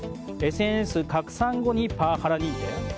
ＳＮＳ拡散後にパワハラ認定？